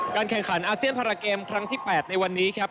แข่งขันอาเซียนพาราเกมครั้งที่๘ในวันนี้ครับ